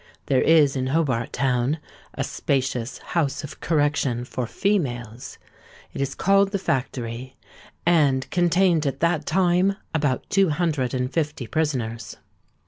There is in Hobart Town a spacious House of Correction for females: it is called the Factory, and contained at that time about two hundred and fifty prisoners.